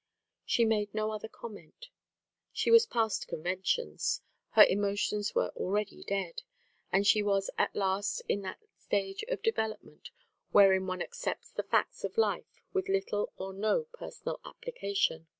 She made no other comment. She was past conventions; her emotions were already dead. And she was at last in that stage of development wherein one accepts the facts of life with little or no personal application.